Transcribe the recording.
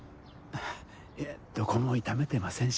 いやどこも痛めてませんし。